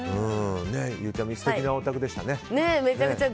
ゆうちゃみ素敵なお宅でしたね。